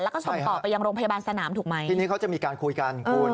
แล้วก็ส่งต่อไปยังโรงพยาบาลสนามถูกไหมทีนี้เขาจะมีการคุยกันคุณ